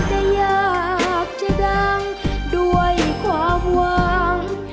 แต่อยากจะดังด้วยความหวัง